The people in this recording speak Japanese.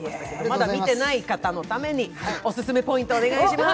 まだ見てない方のためにオススメポイントをお願いします。